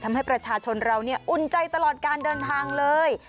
ทำให้ประชาชนเราอุ่นใจตลอดการเดินทางเลย